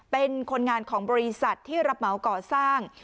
เป็นคนงานของบริษัทที่รับเหมาก่อสร้าง